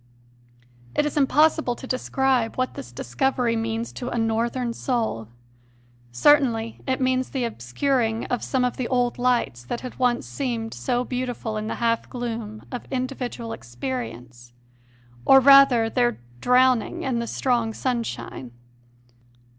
It is impossible to describe what this discovery means to a Northern soul. Certainly it means the obscuring of some of the old lights that had once seemed so beautiful in the half gloom of individual experience, or rather, their drowning in the strong sunshine.